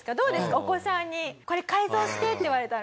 お子さんに「これ改造して」って言われたら。